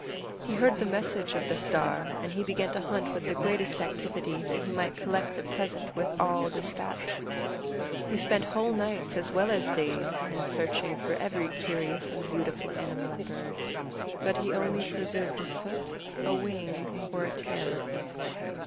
He heard the message of the Star, and he began to hunt with the greatest activity, that he might collect the present with all despatch. He spent whole nights, as well as days, in searching for every curious and beautiful animal and bird. But he only preserved a foot, a wing, or a tail of each.